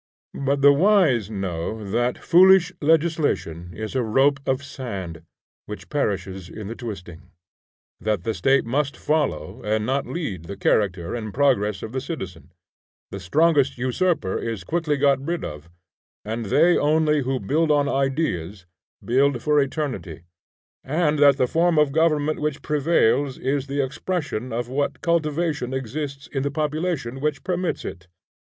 But the wise know that foolish legislation is a rope of sand which perishes in the twisting; that the State must follow and not lead the character and progress of the citizen; the strongest usurper is quickly got rid of; and they only who build on Ideas, build for eternity; and that the form of government which prevails is the expression of what cultivation exists in the population which permits it.